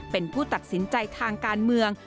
เป็นผู้ตัดสินใจทางการเมือง